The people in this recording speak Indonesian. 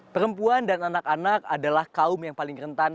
perempuan dan anak anak adalah kaum yang paling rentan